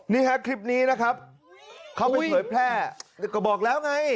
นี่ฮะคลิปนี้นะครับเขาไปเผยแพร่ก็บอกแล้วไง